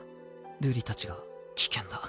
瑠璃たちが危険だ。